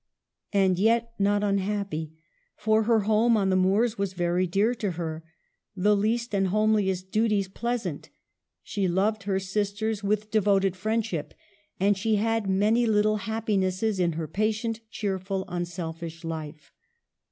And yet not un happy. For her home on the moors was very dear to her ; the least and homeliest duties pleasant ; she loved her sisters with devoted INTRODUCTION. g friendship, and she had many little happinesses in her patient, cheerful, unselfish life.